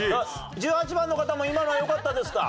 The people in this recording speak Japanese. １８番の方も今のはよかったですか？